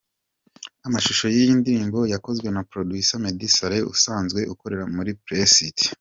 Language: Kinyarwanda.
Amashusho y’iyi ndirimbo yakozwe na Producer Meddy Saleh usanzwe ukorera muri Press it.